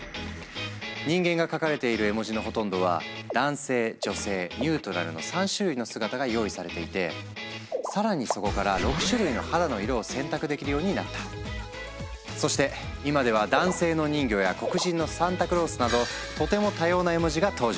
人間が描かれている絵文字のほとんどは男性・女性・ニュートラルの３種類の姿が用意されていて更にそこからそして今では男性の人魚や黒人のサンタクロースなどとても多様な絵文字が登場。